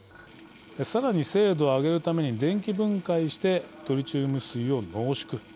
さらに精度を上げるために電気分解してトリチウム水を濃縮。